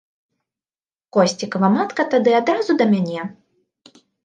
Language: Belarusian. Косцікава матка тады адразу да мяне.